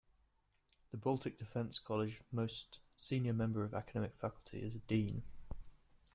The Baltic Defence College's most senior member of academic faculty is a dean.